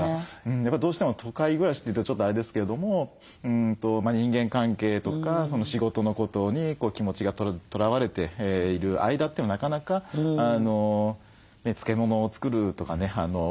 やっぱどうしても都会暮らしというとちょっとあれですけれども人間関係とか仕事のことに気持ちがとらわれている間というのはなかなか漬物を作るとかね